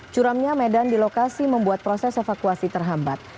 curamnya medan di lokasi membuat proses evakuasi terhambat